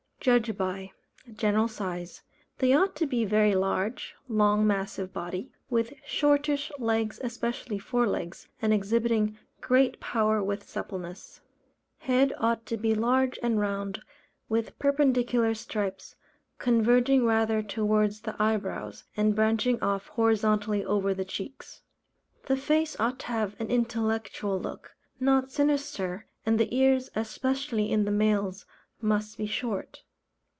Judged by: General size. They ought to be very large, long massive body, with shortish legs (especially fore legs) and exhibiting great power with suppleness. Head ought to be large and round, with perpendicular stripes, converging rather towards the eye brows, and branching off horizontally over the cheeks. The face ought to have an intellectual look not sinister, and the ears especially in the males must be short.